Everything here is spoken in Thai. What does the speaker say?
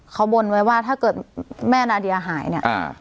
เขาบนไว้ว่าถ้าเกิดแม่นาเดียหายเนี่ย